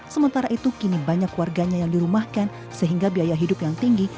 sementara itu kini banyak warganya yang dirumahkan sehingga biaya hidup yang tinggi